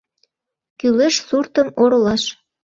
Кӱлеш суртым оролаш!..